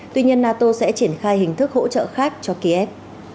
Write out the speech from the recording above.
tuy nhiên nato sẽ triển khai hình thức hỗ trợ khác cho kiev